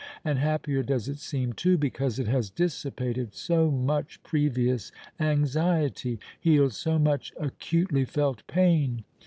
And happier does it seem, too, because it has dissipated so much previous anxiety—healed so much acutely felt pain.